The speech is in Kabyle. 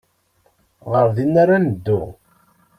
Ɣer din ara neddu.